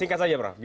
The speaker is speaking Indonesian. singkat saja pak